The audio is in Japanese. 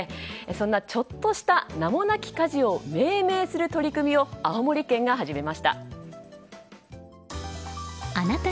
そんなちょっとした名もなき家事を命名する取り組みを青森県が始めました。